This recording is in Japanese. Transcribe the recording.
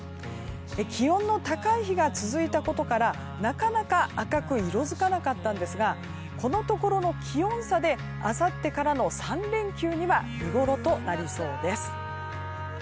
気温の高い日が続いたことからなかなか赤く色づかなかったんですがこのところの気温差であさってからの３連休には見ごろとなりそうです。